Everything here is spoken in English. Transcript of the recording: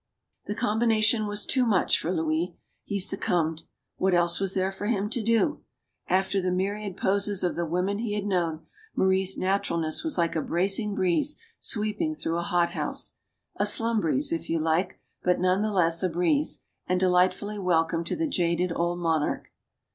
The combination was too much for Louis. He suc cumbed. What else was there for him to do? After the myriad poses of the women he had known, Marie's naturalness was like a bracing breeze sweeping through a hothouse; a slum breeze, if you like, but none the less a breeze, and delightfully welcome to the jaded old monarch.